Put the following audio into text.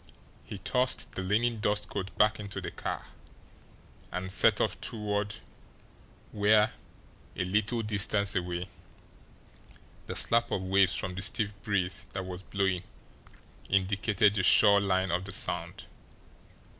He tossed the linen dust coat back into the car, and set off toward where, a little distance away, the slap of waves from the stiff breeze that was blowing indicated the shore line of the Sound.